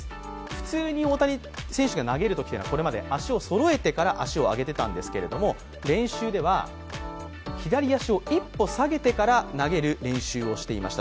普通に投げるときは、足をそろえてから投げていたんですが練習では、左足を一歩下げてから投げる練習をしていました。